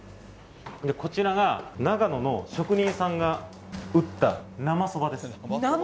こちらが、長野の職人さんが打った生そばです。